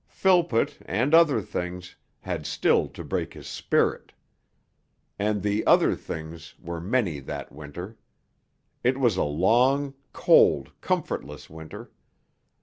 Philpott and other things had still to break his spirit. And the 'other things' were many that winter. It was a long, cold, comfortless winter.